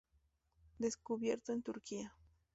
Descubierto en Turquía.